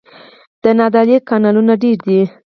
د نادعلي کانالونه ډیر دي